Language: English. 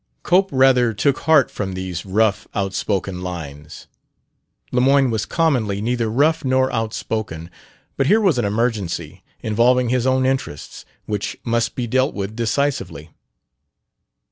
Cope rather took heart from these rough, outspoken lines. Lemoyne was commonly neither rough nor outspoken; but here was an emergency, involving his own interests, which must be dealt with decisively.